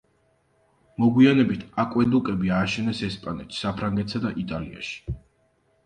მოგვიანებით აკვედუკები ააშენეს ესპანეთში, საფრანგეთსა და იტალიაში.